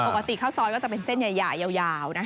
ปกติข้าวซอยก็จะเป็นเส้นใหญ่ยาว